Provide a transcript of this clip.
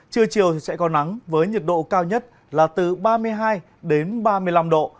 trưa chiều sẽ có nắng với nhiệt độ cao nhất là từ ba mươi hai đến ba mươi năm độ